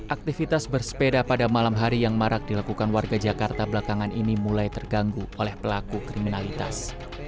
aktivitas bersepeda pada malam hari yang marak dilakukan warga jakarta belakangan ini mulai terganggu oleh pelaku kriminalitas